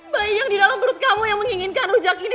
baik yang di dalam perut kamu yang menginginkan rujak ini